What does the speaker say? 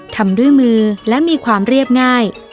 ทำด้วยมือและมีความเรียบง่าย